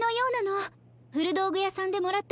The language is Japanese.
ふるどうぐやさんでもらったマント